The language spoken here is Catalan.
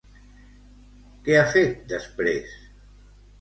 Què ha fet després?